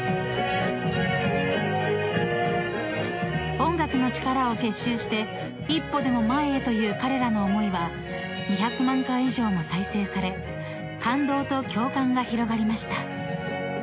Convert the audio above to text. ［音楽の力を結集して一歩でも前へという彼らの思いは２００万回以上も再生され感動と共感が広がりました］